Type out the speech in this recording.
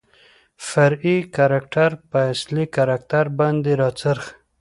فرعي کرکتر په اصلي کرکتر باندې راڅرخي .